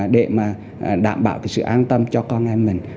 để đảm bảo sự an tâm cho con em mình